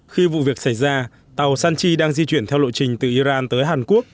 khi vụ việc xảy ra tàu sanchi đang di chuyển theo lộ trình từ iran tới hàn quốc